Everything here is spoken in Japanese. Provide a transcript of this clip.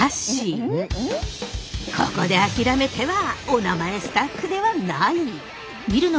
ここで諦めては「おなまえ」スタッフではない！